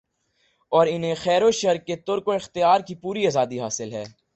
اور انھیں خیروشر کے ترک و اختیار کی پوری آزادی حاصل ہے